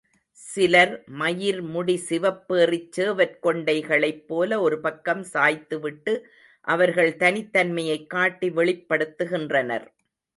சிலர் மயிர்முடி சிவப்பேறிச் சேவற் கொண்டைகளைப் போல ஒரு பக்கம் சாய்த்துவிட்டு அவர்கள் தனித்தன்மையைக் காட்டி வெளிப்படுத்துகின்றனர்.